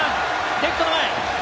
レフト前！